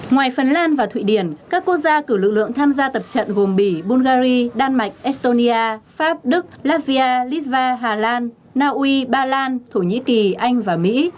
ngoài phần lan và thụy điển các quốc gia cử lực lượng tham gia tập trận gồm bỉ bulgari đan mạch estonia pháp đức latvia litva hà lan naui ba lan thổ nhĩ kỳ anh và mỹ